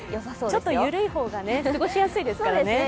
ちょっとゆるい方が過ごしやすいですからね。